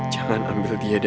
jangan ambil dia dari hamba